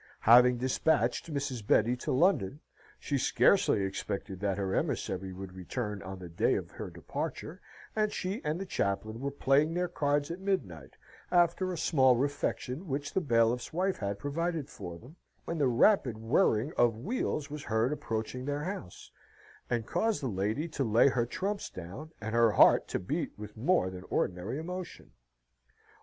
Having despatched Mrs. Betty to London, she scarcely expected that her emissary would return on the day of her departure; and she and the chaplain were playing their cards at midnight, after a small refection which the bailiff's wife had provided for them, when the rapid whirling of wheels was heard approaching their house, and caused the lady to lay her trumps down, and her heart to beat with more than ordinary emotion.